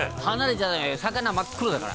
魚真っ黒だから」